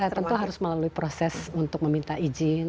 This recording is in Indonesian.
ya tentu harus melalui proses untuk meminta izin